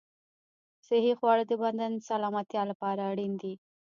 صحي خواړه د بدن سلامتیا لپاره اړین دي.